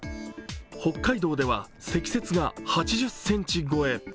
北海道では積雪が８０ｃｍ超え。